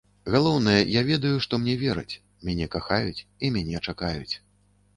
Галоўнае, я ведаю, што мне вераць, мяне кахаюць і мяне чакаюць.